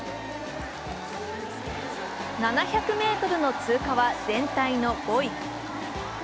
７００ｍの通過は全体の５位。